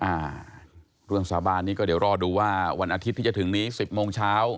อ่าเรื่องสาบานนี้ก็เดี๋ยวรอดูว่าวันอาทิตย์ที่จะถึงนี้สิบโมงเช้า